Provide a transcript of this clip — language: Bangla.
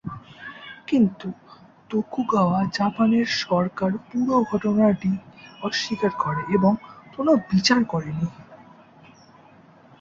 কিন্তু তোকুগাওয়া জাপানের সরকার পুরো ঘটনাটি অস্বীকার করে এবং কোনো বিচার করেনি।